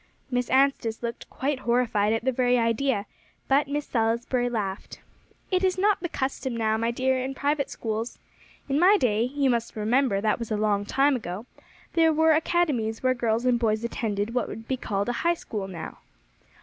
Miss Anstice looked quite horrified at the very idea; but Miss Salisbury laughed. "It is not the custom now, my dear, in private schools. In my day you must remember that was a long time ago there were academies where girls and boys attended what would be called a high school now."